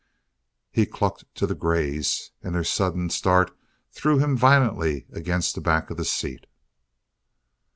He clucked to the greys and their sudden start threw him violently against the back of the seat.